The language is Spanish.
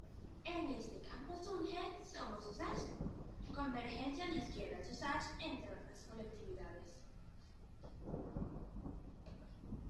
En este campo surge Somos Usach, Convergencia de Izquierdas Usach entre otras colectividades.